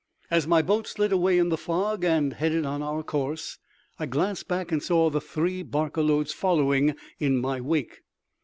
As my boat slid away in the fog and headed on our course, I glanced back and saw the three barca loads following in my wake.